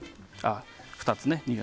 ２つね。